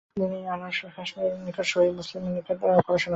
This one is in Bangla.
তিনি আনোয়ার শাহ কাশ্মিরির নিকট সহিহ মুসলিম নিয়ে পড়াশোনা করেছিলেন।